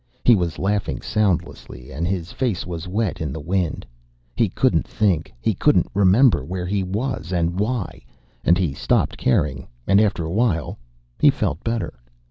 He was laughing soundlessly, and his face was wet in the wind. He couldn't think. He couldn't remember where he was and why, and he stopped caring, and after a while he felt better.